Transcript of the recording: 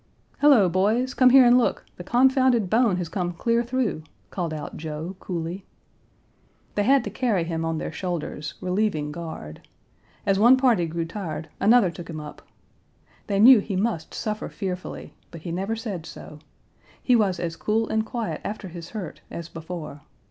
"Hello, boys! come here and look: the confounded bone has come clear through," called out Joe, coolly. They had to carry him on their shoulders, relieving guard. As one party grew tired, another took him up. They knew he must suffer fearfully, but he never said so. He was as cool and quiet after his hurt as before.